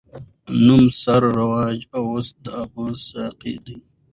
د نوم سره رواج اوس د ابو د سابقې دے